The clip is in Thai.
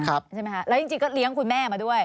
และจริงก็เลี้ยงคุณแม่มาด้วย